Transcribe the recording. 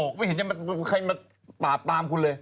ไม่เห็นว่าจะมาดูใครบะตามคุณเลย